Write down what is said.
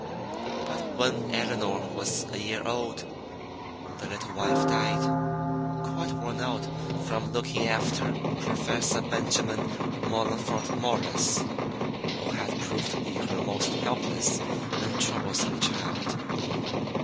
But when Elinor was a year old, the little wife died, quite worn out from looking after Professor Benjamin Mollingfort Morris, who had proved to be her most helpless and troublesome child.